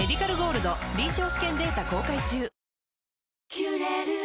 「キュレル」